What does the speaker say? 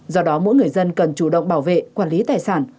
do đó mỗi người dân cần chủ động bảo vệ quản lý tài sản